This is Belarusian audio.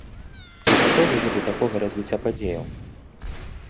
Ці гатовы вы да такога развіцця падзеяў?